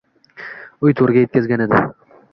Uy to‘riga o‘tkazgan edi